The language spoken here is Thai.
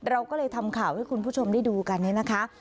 เราก็เลยทำข่าวให้คุณผู้ชมได้ดูกันเนี่ยนะคะ